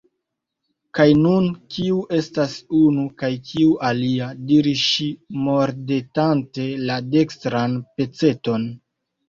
"Kaj nun kiu estas 'unu' kaj kiu 'alia'?" diris ŝi mordetante la dekstran peceton.